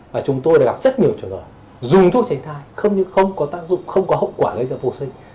và chúng tôi gặp rất nhiều trường hợp dùng thuốc tránh thai không nhưng không có tác dụng không có hậu quả gây ra vô sinh